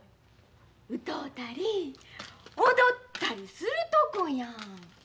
歌うたり踊ったりするとこやん。